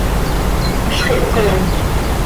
Halx ihpooin.